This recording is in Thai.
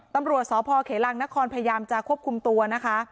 ตำรวจสพเขลังนครพยายามจะควบคุมตัวนะคะ